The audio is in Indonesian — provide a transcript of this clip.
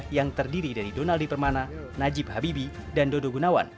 yang terdiri dari donaldi permana najib habibi dan dodo gunawan